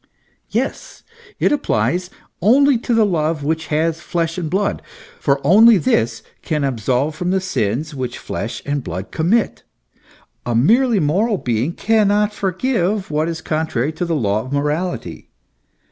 Yes, it applies only to the love which has flesh and blood, for only this can absolve from the sins which flesh and blood commit. A merely moral being cannot forgive what is con trary to the law of morality.